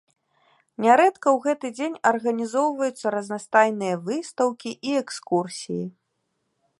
Нярэдка ў гэты дзень арганізоўваюцца разнастайныя выстаўкі і экскурсіі.